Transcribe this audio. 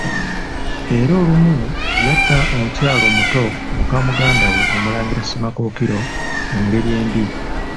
Era olumu yatta omukyala omuto muka muganda we Omulangira Ssemakookiro mu ngeri embi.